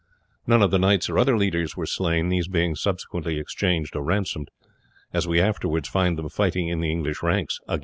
None of the knights or other leaders were slain, these being subsequently exchanged or ransomed, as we afterwards find them fighting in the English ranks.